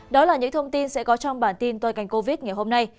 đó là những thông tin sẽ có trong bản tin tôi cảnh covid ngày hôm nay